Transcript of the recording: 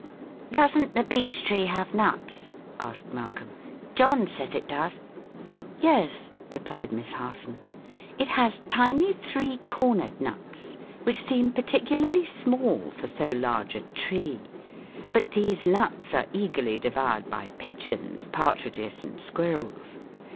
"Doesn't the beech tree have nuts?" asked Malcolm. "John says it does." "Yes," replied Miss Harson; "it has tiny three cornered nuts which seem particularly small for so large a tree. But these nuts are eagerly devoured by pigeons, partridges and squirrels.